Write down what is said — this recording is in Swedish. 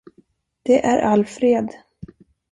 Det är Alfred.